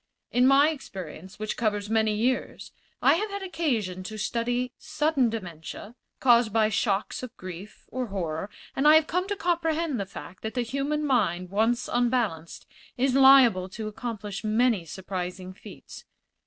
In my experience, which covers many years, I have had occasion to study sudden dementia, caused by shocks of grief or horror, and I have come to comprehend the fact that the human mind, once unbalanced, is liable to accomplish many surprising feats.